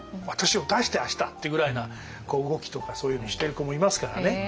「私を出して明日」ってぐらいな動きとかそういうのをしてる子もいますからね